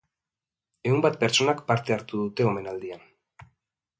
Ehun bat pertsonak parte hartu dute omenaldian.